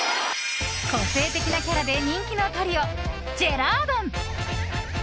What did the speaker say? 個性的なキャラで人気のトリオジェラードン。